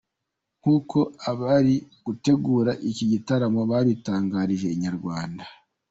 Nkuko abari gutegura iki gitaramo babitangarije Inyarwanda.